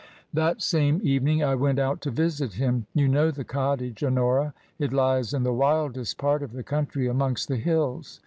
That same evening I went out to visit him. You know the cottage, Honora ? It lies in the wildest part of the coun try amongst the hills.